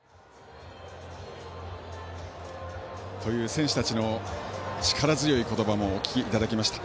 選手たちの力強い言葉もお聞きいただきました。